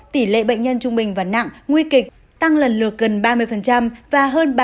tỷ lệ bệnh nhân trung bình và nặng nguy kịch tăng lần lượt gần ba mươi và hơn ba mươi